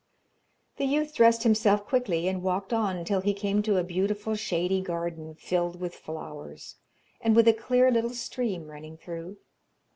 The youth dressed himself quickly and walked on till he came to a beautiful shady garden filled with flowers, and with a clear little stream running through.